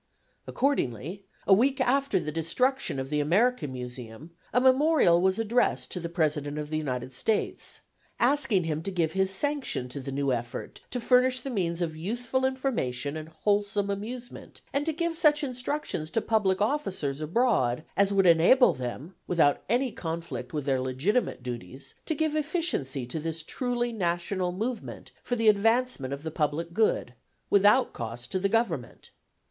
Accordingly, a week after the destruction of the American Museum, a memorial was addressed to the President of the United States, asking him to give his sanction to the new effort to furnish the means of useful information and wholesome amusement, and to give such instructions to public officers abroad as would enable them, without any conflict with their legitimate duties, to give efficiency to this truly national movement for the advancement of the public good, without cost to the government.